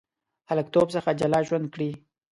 هلکتوب څخه جلا ژوند کړی.